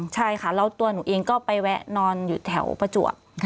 ใช่ค่ะแล้วตัวหนูเองก็ไปแวะนอนอยู่แถวประจวบ